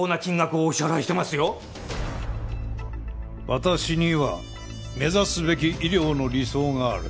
私には目指すべき医療の理想がある。